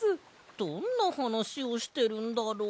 どんなはなしをしてるんだろう？